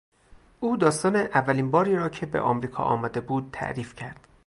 او داستان اولین باری را که به آمریکا آمده بود تعریف کرد.